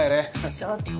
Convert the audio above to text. ちょっと！